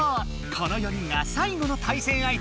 この４人が最後の対戦相手だ！